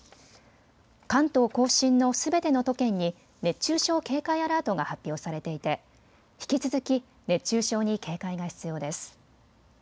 関東甲信のすべての都県に熱中症警戒アラートが発表されていて引き続き熱中症に警戒が必要です。